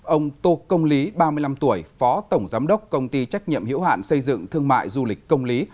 ông tô công lý ba mươi năm tuổi phó tổng giám đốc công ty trách nhiệm hiểu hạn xây dựng thương mại du lịch công lý